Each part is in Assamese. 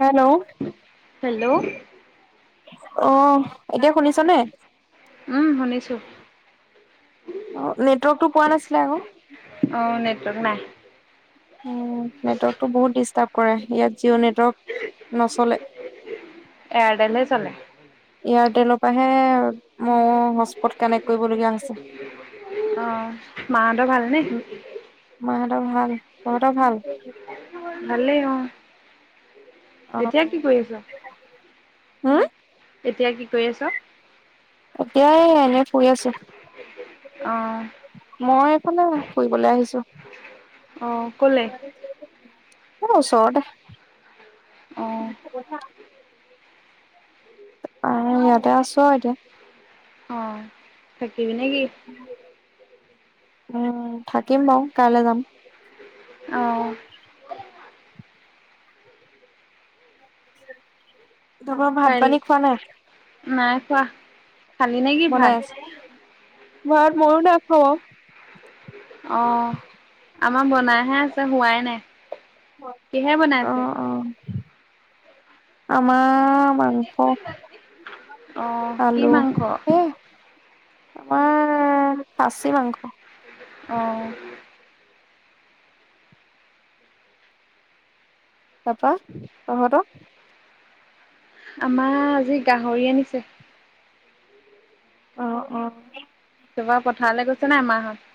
হেল্ল' হেল্ল' অহ এতিয়া শুনিছা নে উম শুনিছো অ নেটৱৰ্কটো পোৱা নাছিলে আকৌ অ নেটৱৰ্ক নাই নেটৱৰ্কটো বহুত ডিষ্টাৰ্ব কৰে ইয়াত জিঅ' নেটৱৰ্ক নচলে এয়াৰটেলহে চলে এয়াৰটেলৰ পৰাহে মইও হচ পত কানেক্ট কৰিবলগীয়া অ হৈছে মাহঁতৰ ভালনে উ মাঁহতৰ ভাল তহঁতৰ ভাল ভালেই অ এতিয়া কি কৰি আছা হু এতিয়া কি কৰি আছো এতিয়াই এ এনে শুই আছো অ মই এইফালে ফুৰিবলৈ আহিছো অ কলে অ ওচৰতে অ পইচা অহ ইয়াতে আছো আও এতিয়া অ থাকিবি নে কি উ থাকিম বাও কাইলে যাম অ' তাপা ভাত কাইলৈ পানী খোৱা নাই? নাই খোৱা। খালি নে কি বনাই ভাত আছে, ভাত ময়ো নাই খোৱা বা। অ' আমাৰ বনাইহে আছে হোৱাই নাই। কিহে বনাইছে? অ', অ'। আমাৰ মাংস। অ কি আলু মাংস সেয়াই। আমাৰ খাচী মাংস। অ' তাপা তহঁতৰ? আমাৰ আজি গাহৰি আনিছে। অ' অ' এইবাৰ পথাৰলে গৈছে নাই মাহঁত?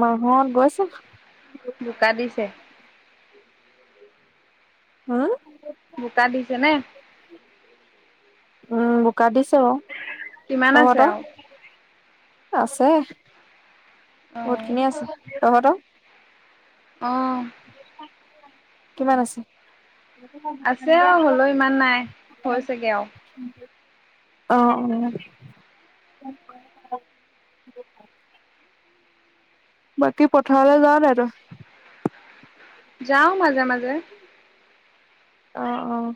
মাহঁত গৈছে। বোকা দিছে? [unintelligible] বোকা দিছে নে? উম, বোকা দিছে বাৰু, কিমান আছে তহঁতৰ? আৰু আছে, অ বহুতখিনি আছে তহঁতৰ? অ' কিমান আছে? আছে আউ হ'লেও ইমান নাই, হৈছেগে আউ। অ' অ' বাকী পথাৰলে যাৱ নাই তই? যাওঁ মাজে মাজে। অ'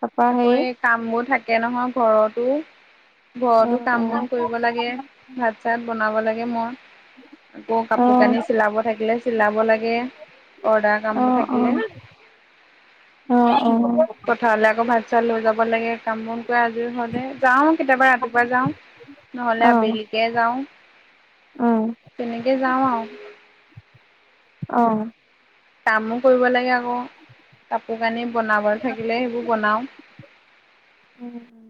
তাৰপা আকৌ হেৰি এই কামবোৰ থাকে নহয় ঘৰতো। ঘৰতো উম, উম, কাম-বন কৰিব লাগে, ভাত চাত বনাব লাগে মই। আকৌ কাপোৰ অ', কানি চিলাব থাকিলে চিলাব লাগে। অৰ্ডাৰ কামবোৰ থাকিলে অ' অ', অ' পথাৰলে আকৌ ভাত চাত লৈ যাব লাগে, কাম বন কৰি আজৰি হওঁতে, যাওঁ কেতিয়াবা ৰাতিপুৱা যাওঁ। নহ'লে অ', আবেলিকে অ', যাওঁ তেনেকে যাওঁ আউ। অ' কামো কৰিব লাগে আকৌ, কাপোৰ কানি বনাব থাকিলে সেইবোৰ বনাওঁ। উম।